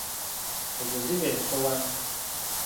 Ezo ziba ensoowaanyi.